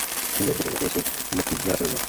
সঙ্গীরা জিজ্ঞেস করল, কে সেই লোকটি ইয়া রাসূলাল্লাহ!